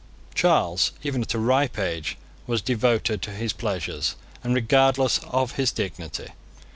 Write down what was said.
Charles, even at a ripe age, was devoted to his pleasures and regardless of his dignity.